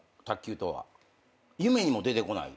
夢にも出てこない？